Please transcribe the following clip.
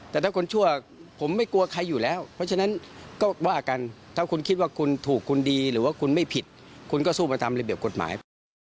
แต่ถ้าคนชั่วผมไม่กลัวใครอยู่แล้วเพราะฉะนั้นก็ว่ากันถ้าคุณคิดว่าคุณถูกคุณดีหรือว่าคุณไม่ผิดคุณก็สู้ไปตามระเบียบกฎหมาย